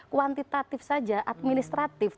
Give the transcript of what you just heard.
kuantitatif saja administratif